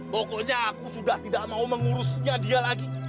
pokoknya aku sudah tidak mau mengurusnya dia lagi